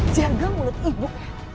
jaga mulut ibu